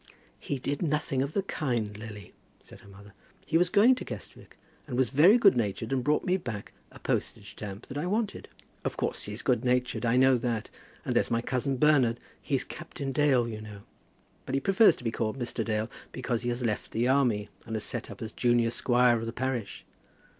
"He did nothing of the kind, Lily," said her mother. "He was going to Guestwick, and was very good natured, and brought me back a postage stamp that I wanted." "Of course he's good natured, I know that. And there's my cousin Bernard. He's Captain Dale, you know. But he prefers to be called Mr. Dale, because he has left the army, and has set up as junior squire of the parish.